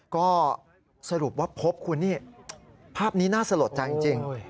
ก็สรุปว่าพบคุณนี่ภาพนี้น่าสลดใจจริง